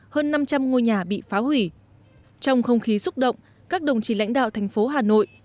hơn năm trăm linh ngôi nhà bị phá hủy trong không khí xúc động các đồng chí lãnh đạo thành phố hà nội